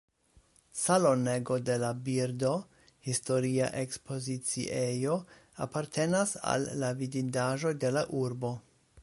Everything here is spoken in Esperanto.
Salonego de la birdo, historia ekspoziciejo, apartenas al la vidindaĵoj de la urbo.